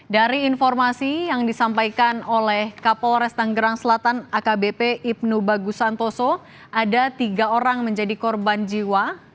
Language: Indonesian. dari informasi yang disampaikan oleh kapolres tanggerang selatan akbp ibnu bagus santoso ada tiga orang menjadi korban jiwa